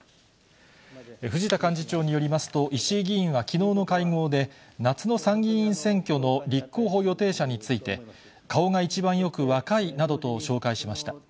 藤田幹事長によりますと、石井議員はきのうの会合で、夏の参議院選挙の立候補予定者について、顔が一番よく、若いなどと紹介しました。